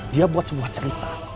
dia buat sebuah cerita